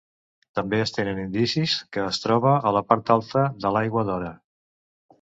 També es tenen indicis que es troba a la part alta de l'Aigua d'Ora.